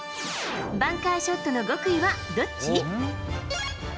バンカーショットの極意はどっち？